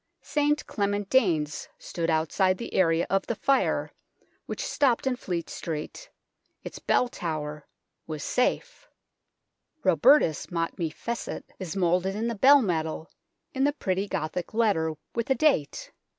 St Clement Danes stood outside the area of the Fire, which stopped in Fleet Street ; its bell tower was safe. " Robertus Mot me fecit " is 238 UNKNOWN LONDON moulded in the bell metal in the pretty Gothic letter, with a date.